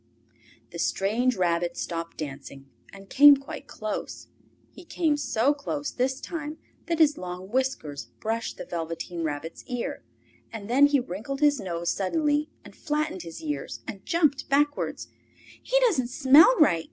The strange rabbit stopped dancing, and came quite close. He came so close this time that his long whiskers brushed the Velveteen Rabbit's ear, and then he wrinkled his nose suddenly and flattened his ears and jumped backwards. "He doesn't smell right!"